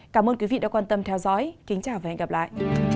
cảm ơn quý vị đã quan tâm theo dõi kính chào và hẹn gặp lại